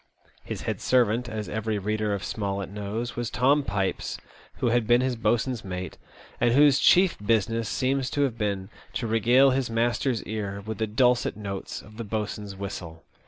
His head servant, as every reader of Smollett knows, was Tom Pipes, who had been his boatswain's mate, and whose chief business seems to have been to regale his master's ear ^th the dulcet notes of the boatswain's whistle.